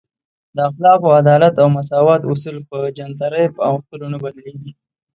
د اخلاقو، عدالت او مساوات اصول په جنترۍ په اوښتلو نه بدلیږي.